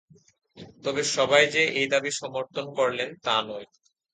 তবে সবাই যে এই দাবি সমর্থন করলেন তা নয়।